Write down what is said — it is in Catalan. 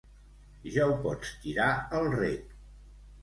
Ja ho pots tirar al rec.